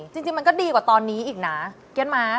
จริงมันก็ดีกว่าตอนนี้อีกนะเกี้ยนม้า